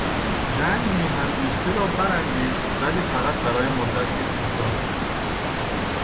جنگ میهن دوستی را برانگیخت ولی فقط برای مدتی کوتاه.